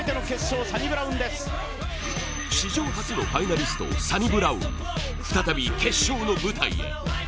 史上初のファイナリスト、サニブラウン再び決勝の舞台へ。